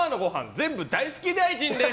全部大好き大臣です。